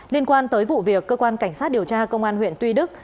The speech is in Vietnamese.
liên quan tới vụ việc cơ quan cảnh sát điều tra công an huyện tuy đức